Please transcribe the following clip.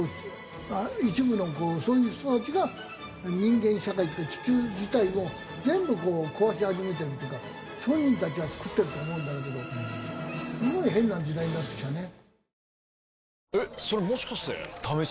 一部のそういう人たちが人間社会っていうか地球自体を全部壊し始めてるっていうか本人たちは作ってると思うんだろうけどすごい変な時代になってきたね。